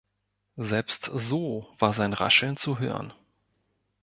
Selbst so war sein Rascheln zu hören.